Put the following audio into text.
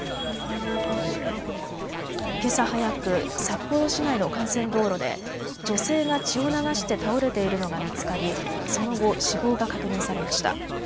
けさ早く、札幌市内の幹線道路で女性が血を流して倒れているのが見つかりその後、死亡が確認されました。